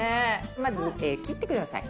まず切ってください。